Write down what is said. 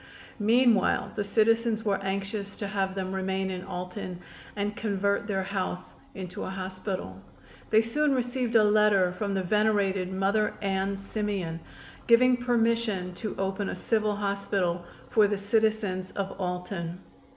Meanwhile the citizens were anxious to have them remain in Alton and convert their house into a hospital. They soon received a letter from the venerated Mother Ann Simeon, giving permission to open a civil hospital for the citizens of Alton.